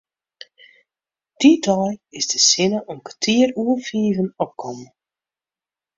Dy dei is de sinne om kertier oer fiven opkommen.